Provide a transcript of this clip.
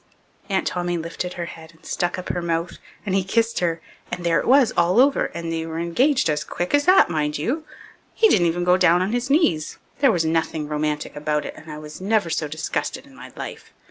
Aunt Tommy lifted her head and stuck up her mouth and he kissed her. And there it was, all over, and they were engaged as quick as that, mind you. He didn't even go down on his knees. There was nothing romantic about it and I was never so disgusted in my life.